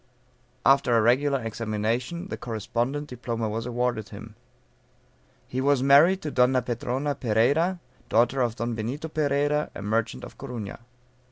After a regular examination the correspondent diploma was awarded him. He was married to Donna Petrona Pereyra, daughter of Don Benito Pereyra, a merchant of Corunna.